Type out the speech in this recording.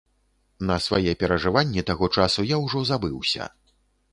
На свае перажыванні таго часу я ўжо забыўся.